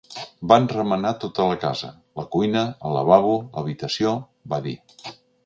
Van remenar tota la casa: la cuina, el lavabo, l’habitació…, va dir.